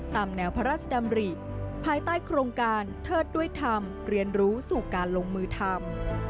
ตามแนวพระราชดำริภายใต้โครงการเทิดด้วยธรรมเรียนรู้สู่การลงมือทำ